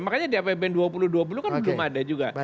makanya di apbn dua ribu dua puluh kan belum ada juga